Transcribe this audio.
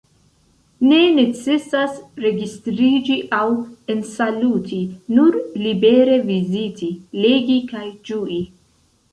Ne necesas registriĝi aŭ ensaluti – nur libere viziti, legi kaj ĝui.